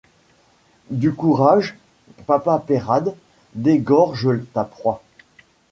Du courage, papa Peyrade, dégorge ta proie!